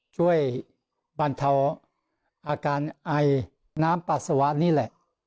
ช่วยบรรเทาอาการไอน้ำปัสสาวะนี่แหละ